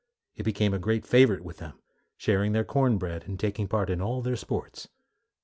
It became a great favorite with them, sharing their corn bread, and taking part in all their sports.